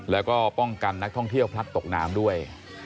แล้วก็ป้องกันนักท่องเที่ยวพลัดตกน้ำด้วย